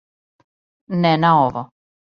Не на ово.